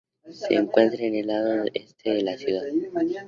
Se encuentra en el lado este de la ciudad.